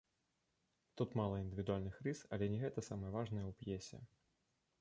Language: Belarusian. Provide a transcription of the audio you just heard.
Тут мала індывідуальных рыс, але не гэта самае важнае ў п'есе.